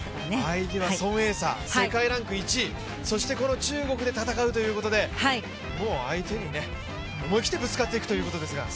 相手は孫エイ莎、世界ランク１位、そしてこの中国で戦うということでもう相手に思い切ってぶつかっていくということですが。